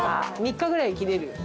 ３日ぐらい生きれる。